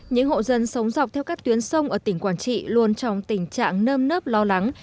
những hộ dân sống dọc theo các tuyến sông ở tỉnh quảng trị luôn trong tình trạng nơm nớp lo lắng